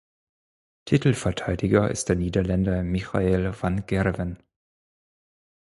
Titelverteidiger ist der Niederländer Michael van Gerwen.